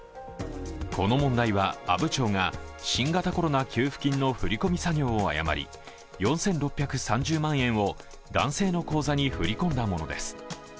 この問題は阿武町が新型コロナ給付金の振り込み作業を誤り４６３０万円を男性の口座に振り込んだものです。